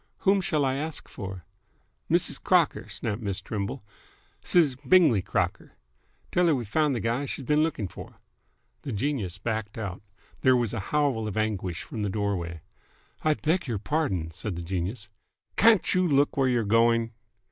"Whom shall I ask for?" "Mrs. Crocker," snapped Miss Trimble. "Siz Bingley Crocker. Tell her we've found th' guy she's been looking for!" The genius backed out. There was a howl of anguish from the doorway. "I beg your pardon!" said the genius. "Can't you look where you're going!"